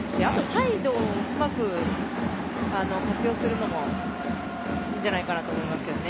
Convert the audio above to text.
サイドをうまく活用するのもいいんじゃないかなと思いますけれどね。